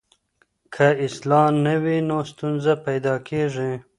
که اصلاح نه وي نو ستونزه پیدا کېږي.